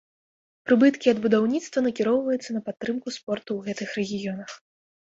Прыбыткі ад будаўніцтва накіроўваюцца на падтрымку спорту ў гэтых рэгіёнах.